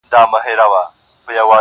• دغه انسان بېشرفي په شرافت کوي.